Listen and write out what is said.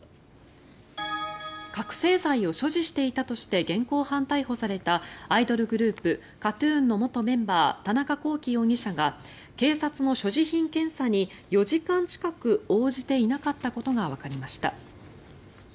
覚醒剤を所持していたとして現行犯逮捕されたアイドルグループＫＡＴ−ＴＵＮの元メンバー田中聖容疑者が警察の所持品検査に４時間近く応じていなかったことがわかりました。